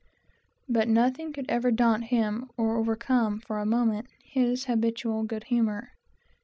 But nothing could ever daunt him, or overcome, for a moment, his habitual good humor.